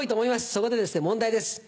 そこでですね問題です。